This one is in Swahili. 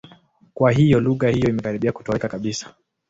Kwa hiyo, lugha hiyo imekaribia kutoweka kabisa.